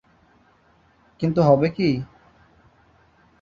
কিন্তু হবে কী?